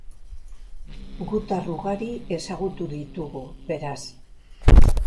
Gutar ugari ezagutu ditugu, beraz.